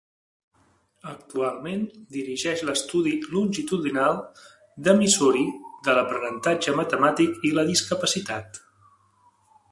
Actualment, dirigeix l'estudi longitudinal de Missouri de l'aprenentatge matemàtic i la discapacitat.